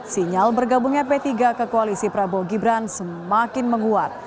sinyal bergabungnya p tiga ke koalisi prabowo gibran semakin menguat